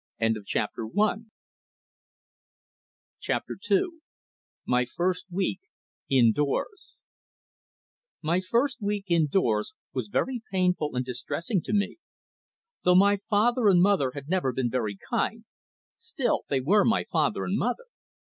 Chapter II My First Week In doors My first week in doors was very painful and distressing to me. Though my father and mother had never been kind, still they were my father and mother.